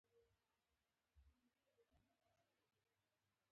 هلته د ملخانو هیڅ کوم پټی شتون نلري